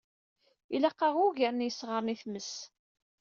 Ilaq-aɣ ugar n yesɣaren i tmes.